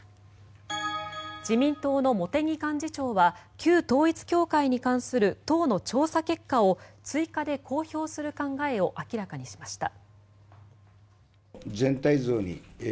自民党の茂木幹事長は旧統一教会に関する党の調査結果を追加で公表する考えを明らかにしました。